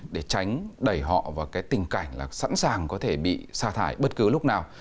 để tránh đẩy họ vào cái tình cảnh là sẵn sàng có thể bị xa thải bất cứ lúc nào